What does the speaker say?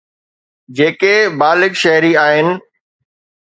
جيڪي بالغ شهري آهن.